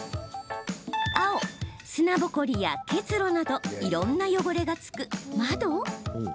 青・砂ぼこりや結露などいろんな汚れがつく、窓。